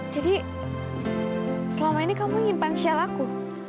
jadi selama ini kamu nyimpan sial aku